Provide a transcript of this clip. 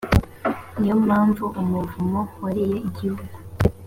ni yo mpamvu umuvumo wariye igihugu